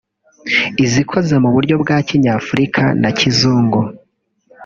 izikoze mu buryo bwa kinyafurika na kizungu